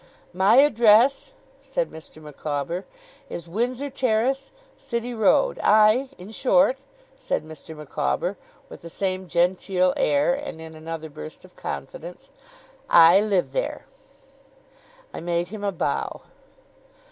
'My address,' said Mr. Micawber, 'is Windsor Terrace, City Road. I in short,' said Mr. Micawber, with the same genteel air, and in another burst of confidence 'I live there.' I made him a bow.